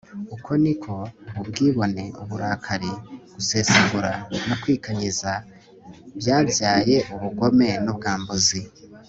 uko ni ko ubwibone, kurarikira, gusesagura, no kwikanyiza byabyaye ubugome n'ubwambuzi